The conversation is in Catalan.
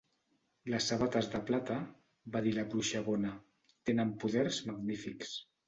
"Les sabates de plata", va dir la Bruixa Bona, "tenen poders magnífics".